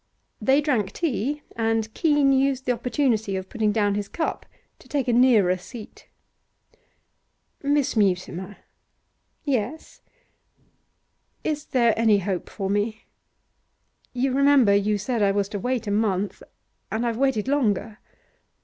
They drank tea, and Keene used the opportunity of putting down his cup to take a nearer seat. 'Miss Mutimer ' 'Yes?' 'Is there any hope for me? You remember you said I was to wait a month, and I've waited longer.